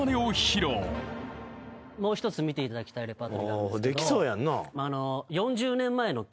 もう一つ見ていただきたいレパートリーがあるんですけど。